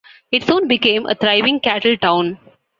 It soon became a thriving cattle town.